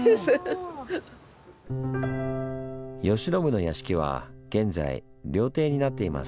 慶喜の屋敷は現在料亭になっています。